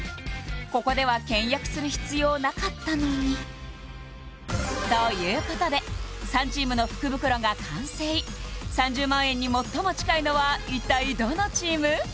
ここでは倹約する必要なかったのにということで３チームの福袋が完成３０万円に最も近いのは一体どのチーム？